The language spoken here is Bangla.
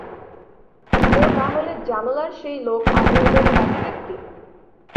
তো তাহলে জানালার সেই লোক আর এই লোক একই ব্যাক্তি?